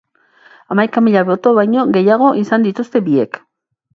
Hamaika mila boto baino gehiago izan dituzte biek.